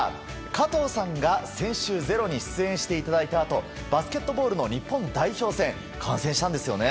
加藤さんが先週、「ｚｅｒｏ」に出演していただいたあとバスケットボールの日本代表戦観戦したんですよね？